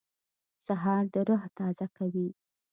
سهار د روح تازه کوي.